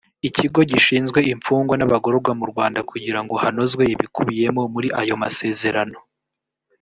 ikigo gishinzwe imfungwa n abagororwa mu rwanda kugira ngo hanozwe ibikubiyemo muri ayo masezerano.